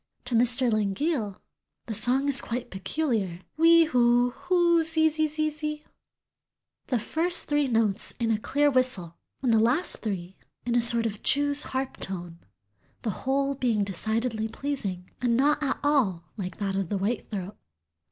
To Mr. Langille "the song is quite peculiar, whee who who zee zee zee, the first three notes in a clear whistle and the last three in a sort of jew's harp tone, the whole being decidedly pleasing, and not at all like that of the white throat."